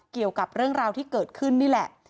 เกี่ยวกับเรื่องราวที่เกิดขึ้นนี่แหละ